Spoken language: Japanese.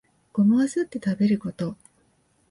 ゴマはすって食べること